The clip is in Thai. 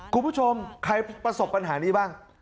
คุณผู้ชมใครประสบปัญหานี้บ้าง